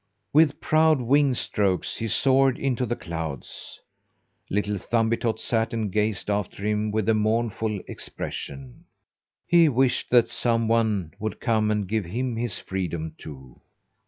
With proud wing strokes he soared into the clouds. Little Thumbietot sat and gazed after him with a mournful expression. He wished that some one would come and give him his freedom too.